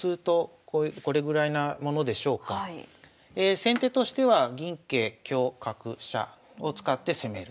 先手としては銀桂香角飛車を使って攻める。